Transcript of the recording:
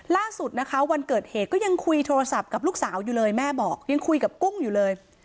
ล่าสุดนะคะวันเกิดเหตุก็ยังคุยโทรศัพท์กับลูกสาวอยู่เลยแม่บอกยังคุยกับกุ้งอยู่เลย